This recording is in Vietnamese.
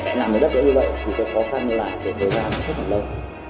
để làm ở đất nước như vậy thì có khó khăn như là thời gian rất là lâu